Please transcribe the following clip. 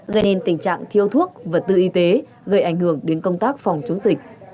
gây nên tình trạng thiếu thuốc vật tư y tế gây ảnh hưởng đến công tác phòng chống dịch